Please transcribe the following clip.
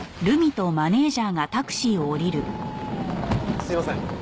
すいません。